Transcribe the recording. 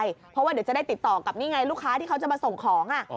เพราะว่าเดี๋ยวจะได้ติดต่อกับนี่ไงลูกค้าที่เขาจะมาส่งของ